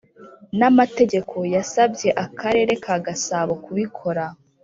n amategeko yasabye Akarere ka gasabo kubikora